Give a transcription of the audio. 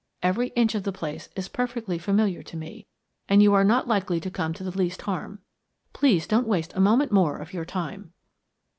Every inch of the place is perfectly familiar to me, and you are not likely to come to the least harm. Please don't waste a moment more of your time."